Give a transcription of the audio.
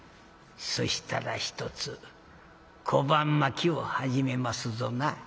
そしたらひとつ小判まきを始めますぞな。